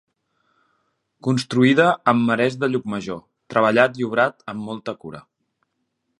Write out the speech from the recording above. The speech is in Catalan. Construïda amb marès de Llucmajor, treballat i obrat amb molta cura.